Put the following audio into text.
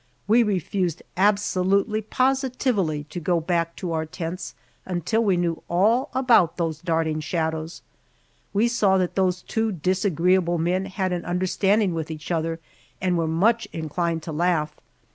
We refused absolutely, positively, to go back to our tents until we knew all about those darting shadows. We saw that those two disagreeable men had an understanding with each other and were much inclined to laugh.